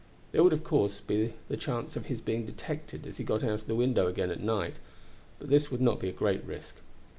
There would, of course, be the chance of his being detected as he got out of the window again at night, but this would not be a great risk.